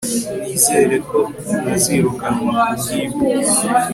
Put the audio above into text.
nizere ko ntazirukanwa kubwibi